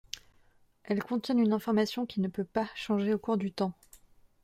Elles contiennent une information qui ne peut pas changer au cours du temps.